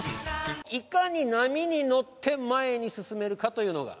いかに波に乗って前に進めるかというのが。